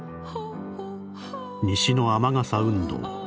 「西の雨傘運動。